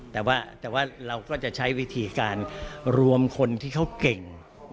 แต่ว่าเราก็จะใช้วิธีการรวมคนที่เขาเก่ง